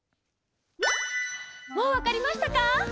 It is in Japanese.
もうわかりましたか？